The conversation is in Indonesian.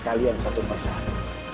sekalian satu persatu